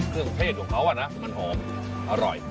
เครื่องเพศของเขาอ่ะนะมันหอมอร่อย